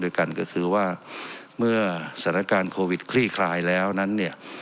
กันก็คือว่าเมื่อสถานการณ์โควิดคลี่คลายแล้วนั้นเนี่ย